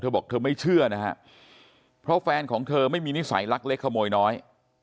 บอกเธอไม่เชื่อนะฮะเพราะแฟนของเธอไม่มีนิสัยลักเล็กขโมยน้อย